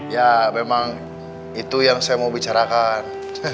ya memang itu yang saya mau bicarakan